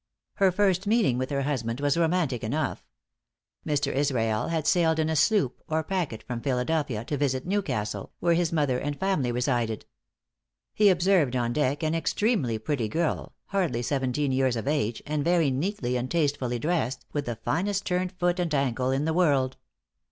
Her first meeting with her husband was romantic enough. Mr. Israel had sailed in a sloop, or packet, from Philadelphia, to visit New Castle, where his mother and family resided. He observed on deck an extremely pretty girl, hardly seventeen years of age, and very neatly and tastefully dressed, with the finest turned foot and ankle in the world.